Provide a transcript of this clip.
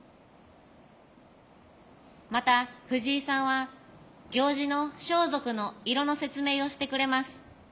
また藤井さんは行司の装束の色の説明をしてくれます。